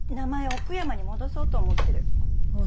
奥山に戻そうと思ってる。